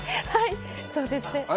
はい、そうですね。